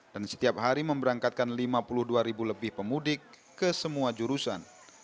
dan setiap hari memberangkatkan lima puluh dua ribu lebih pemudik ke semua jurusan